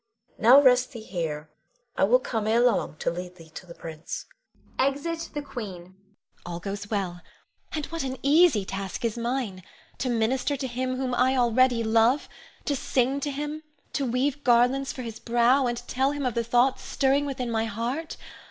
Now rest thee here. I will come ere long to lead thee to the prince. [Exit The Queen. Ione. All goes well; and what an easy task is mine! To minister to him whom I already love; to sing to him, weave garlands for his brow, and tell him of the thoughts stirring within my heart.